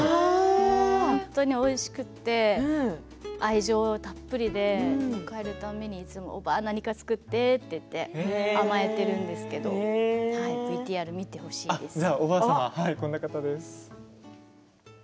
本当においしくて愛情たっぷりで帰る度におばあ何か作ってって甘えているんですけどＶＴＲ見てほしいです。